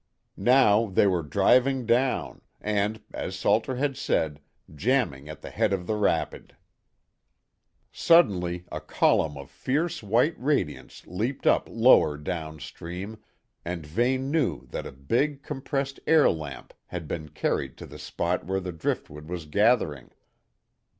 Now they were driving down and, as Salter had said, jambing at the head of the rapid. Suddenly a column of fierce white radiance leaped up lower down stream and Vane knew that a big compressed air lamp had been carried to the spot where the driftwood was gathering.